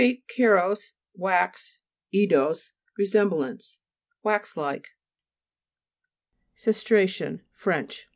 keros, wax, eidos, resemblance. Wax like. CESTRA'CION French, fr.